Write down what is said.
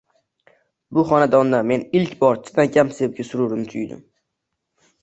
Bu xonadonda men ilk bor chinakam sevgi sururini tuydim